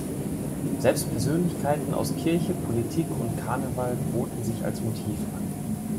Selbst Persönlichkeiten aus Kirche, Politik und Karneval boten sich als Motiv an.